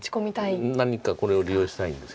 何かこれを利用したいんですけど。